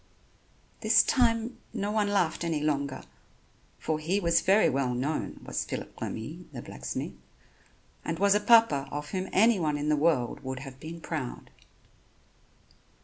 This time no one laughed any longer, for he was very well known, was Phillip Remy, the blacksmith, and was a papa of whom anyone in the world would have been proud.